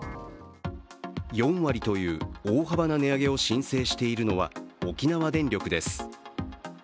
４割という大幅な値上げを申請しているのは沖縄電力です。